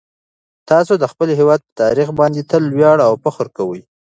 تاسو د خپل هیواد په تاریخ باندې تل ویاړ او فخر کوئ.